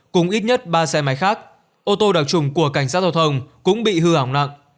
cùng ít nhất ba xe máy khác ô tô đặc trùng của cảnh sát giao thông cũng bị hư hỏng nặng